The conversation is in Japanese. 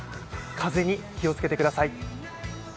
風に気をつけてください。